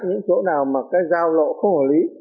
những chỗ nào mà cái giao lộ không hợp lý